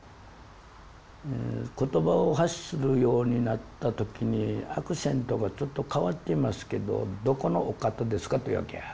言葉を発するようになった時に「アクセントがちょっと変わってますけどどこのお方ですか」って言うわけや。